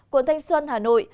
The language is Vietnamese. quận thanh xuân hà nội